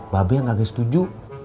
babi yang kagak setuju